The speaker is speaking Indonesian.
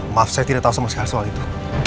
maaf saya tidak tahu sama sekali soal itu